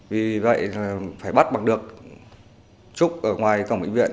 vì vậy phải bắt bằng được trúc ở ngoài tổng bệnh viện